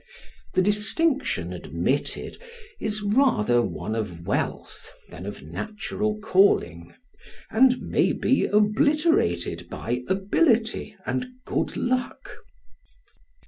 The distinction admitted is rather one of wealth than of natural calling, and may be obliterated by ability and good luck.